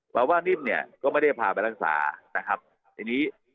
เพราะว่านิ่มเนี่ยก็ไม่ได้พาไปรักษานะครับทีนี้